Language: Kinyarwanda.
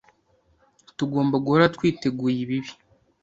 Tugomba guhora twiteguye ibibi.